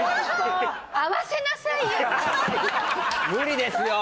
無理ですよ！